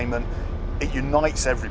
ini memperkongkan semua orang